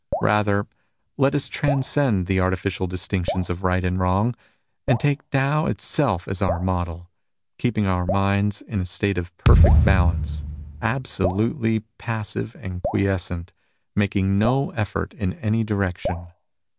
Rather let us tran scend the artificial distinctions of right and wrong, and take Tao itself as our model, keeping our minds in a state of perfect balance, absolutely passive and quiescent, making no effort in any direction.